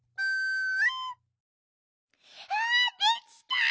あでちた！